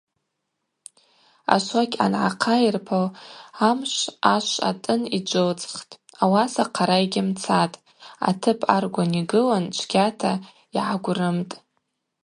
Ашвокь ангӏахъайырпал амшв ашв атӏын йджвылцӏхтӏ, ауаса хъара йгьымцатӏ, атып аргван йгылын чвгьата йгӏагврымтӏ.